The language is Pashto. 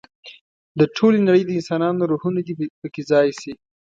د ټولې نړۍ د انسانانو روحونه دې په کې ځای شي.